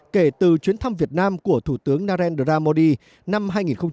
kể từ chuyến thăm việt nam của thủ tướng narendra modi năm hai nghìn một mươi ba